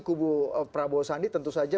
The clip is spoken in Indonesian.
kubu prabowo sandi tentu saja